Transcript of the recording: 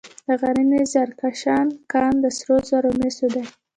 د غزني د زرکشان کان د سرو زرو او مسو دی.